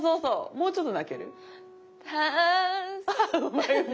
もうちょっと泣ける？